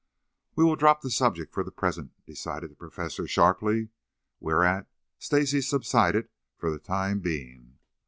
"We will drop the subject for the present," decided the Professor sharply, whereat Stacy subsided for the time being.